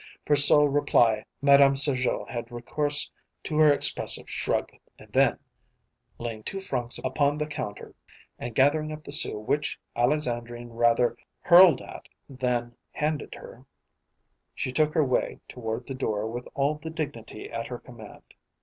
For sole reply Madame Sergeot had recourse to her expressive shrug, and then laying two francs upon the counter, and gathering up the sous which Alexandrine rather hurled at than handed her, she took her way toward the door with all the dignity at her command.